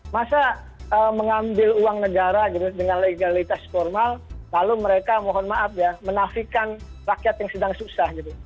masa mengambil uang negara dengan legalitas formal lalu mereka mohon maaf ya menafikan rakyat yang sedang susah gitu